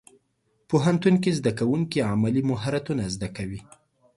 پوهنتون کې زدهکوونکي عملي مهارتونه زده کوي.